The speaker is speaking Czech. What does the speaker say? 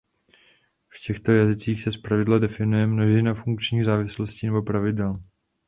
V těchto jazycích se zpravidla definuje množina funkčních závislostí nebo pravidel.